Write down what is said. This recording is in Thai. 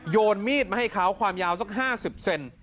นมีดมาให้เขาความยาวสัก๕๐เซน